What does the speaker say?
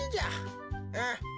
うん。